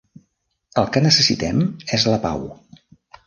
El que necessitem és la pau.